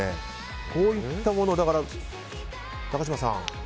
こういったもの、高嶋さん